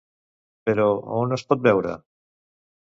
Però on es pot veure?